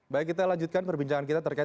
baik kita lanjutkan perbincangan kita terkait